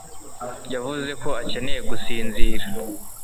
yavuze ko akeneye gusinzira